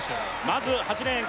まず８レーン